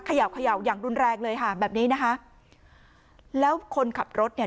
เขย่าเขย่าอย่างรุนแรงเลยค่ะแบบนี้นะคะแล้วคนขับรถเนี่ย